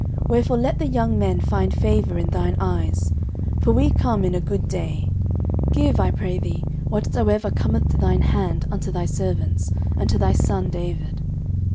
Wherefore let the young men find favour in thine eyes: for we come in a good day: give, I pray thee, whatsoever cometh to thine hand unto thy servants, and to thy son David.